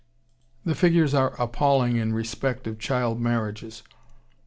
The figures are appalling in respect of child marriages.